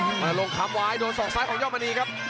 วันนายลงคามวายโดนสอบซ้ายของยอดมณีครับ